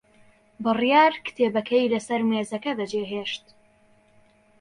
بڕیار کتێبەکەی لەسەر مێزەکە بەجێهێشت.